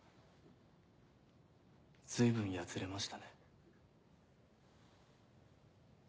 随分やつれましたね。